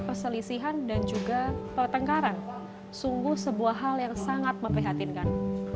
perselisihan dan juga pertengkaran sungguh sebuah hal yang sangat memprihatinkan